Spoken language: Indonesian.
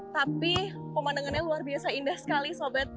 tapi pemandangannya luar biasa indah sekali sobet